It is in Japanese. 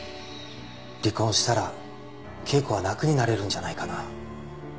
離婚したら恵子は楽になれるんじゃないかな。